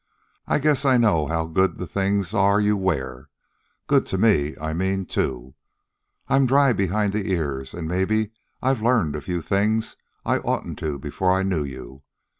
I guess I know how good the things are you wear good to me, I mean, too. I'm dry behind the ears, an' maybe I've learned a few things I oughtn't to before I knew you.